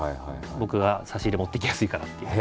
僕が差し入れ持って行きやすいからって。